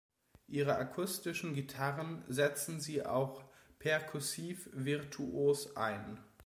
Ihre akustischen Gitarren setzen sie auch perkussiv virtuos ein.